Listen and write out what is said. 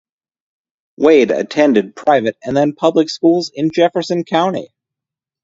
Wade attended private and then public schools in Jefferson County.